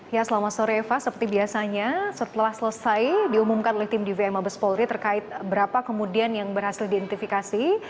ya selamat sore eva seperti biasanya setelah selesai diumumkan oleh tim dvi mabes polri terkait berapa kemudian yang berhasil diidentifikasi